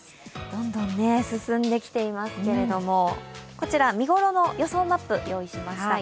どんどん進んできていますけれどもこちら、見頃の予想マップを用意しました。